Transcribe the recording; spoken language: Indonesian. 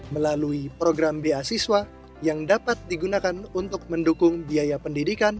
melalui program beasiswa yang dapat digunakan untuk mendukung biaya pendidikan